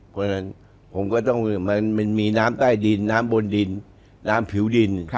เพราะฉะนั้นผมก็ต้องมันมีน้ำใต้ดินน้ำบนดินน้ำผิวดิน